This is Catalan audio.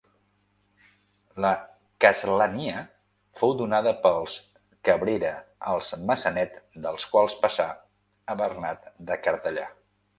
La castlania fou donada pels Cabrera als Maçanet, dels quals passà a Bernat de Cartellà.